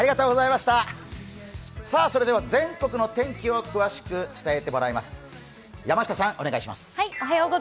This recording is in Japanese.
全国の天気を詳しく伝えてもらいます。